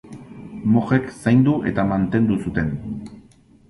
Mojek zaindu eta mantendu zuten.